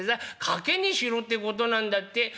掛値しろってことなんだって。